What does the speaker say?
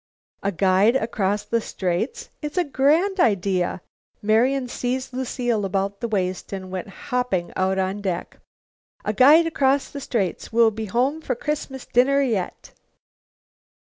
"A guide across the Straits! It's a grand idea!" Marian seized Lucile about the waist and went hopping out on deck. "A guide across the Straits. We'll be home for Christmas dinner yet!"